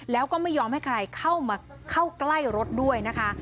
แล้วก็ไม่ยอมให้ใครเข้ามาเข้าใกล้รถด้วยนะคะ